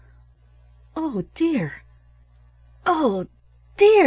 "Oh dear! oh dear!"